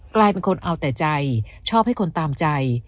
กลายเป็นคนเอาแต่ใจชอบให้คนตามใจ